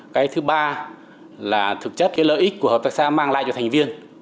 cái thứ ba là thực chất cái lợi ích của hợp tác xã mang lại cho thành viên